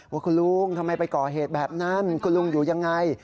ว่าคุณลุงทำไมไปก่อเหตุแบบนั้นคุณลุงอยู่ยังไง